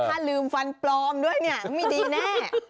ถ้าลืมฟันปลอมด้วยเนี่ยไม่ดีแน่